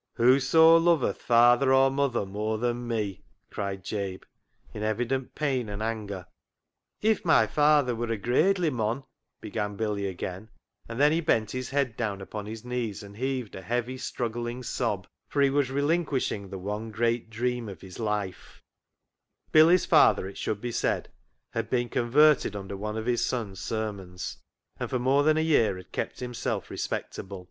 " Whoso loveth father or mother more than Me," cried Jabe, in evident pain and anger. " If my fayther were a gradely mon," began Billy again, and then he bent his head down upon his knees and heaved a heavy, struggling sob, for he was relinquishing the one great dream of his life. 4 50 CLOG SHOP CHRONICLES Billy's father, it should be said, had been converted under one of his son's sermons, and for more than a year had kept himself respect able.